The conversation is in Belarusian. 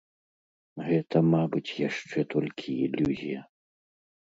Гэта, мабыць, яшчэ толькі ілюзія.